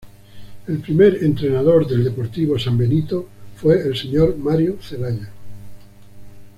El primer entrenador del Deportivo San Benito fue el Señor: Mario Zelaya.